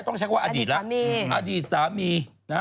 ต้องใช้คำว่าอดีตสามี